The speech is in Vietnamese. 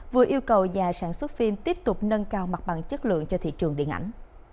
vừa yêu cầu nhà sản xuất phim tiếp tục nâng cao mặt bằng chất lượng cho thị trường điện ảnh